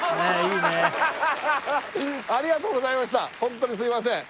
ホントにすいません